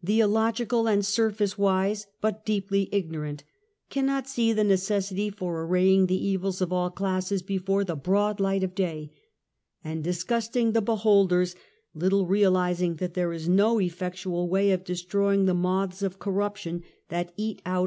The illogi cal and surface wise, but deeply ignorant, cannot see the necessity for arraying the evils of all classes be fore the broad light of day, and disgusting the be holders, little realizing that there is no effectual way of destroying the moths of corruption that eat out % 110 UNMASKED.